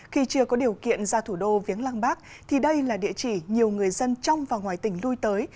khi chưa có điều kiện ra thủ đô viếng lăng bác thì đây là địa chỉ nhiều người dân trong và ngoài tỉnh lui tới